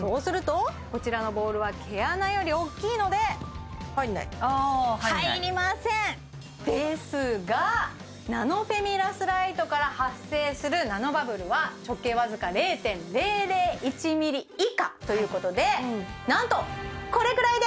そうするとこちらのボールは毛穴よりおっきいので入んない入りませんですがナノフェミラスライトから発生するナノバブルは直径わずか０．００１ｍｍ以下ということでなんとこれくらいです！